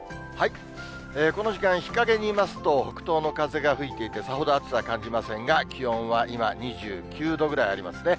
この時間、日陰にいますと、北東の風が吹いていて、さほど暑さは感じませんが、気温は今、２９度くらいありますね。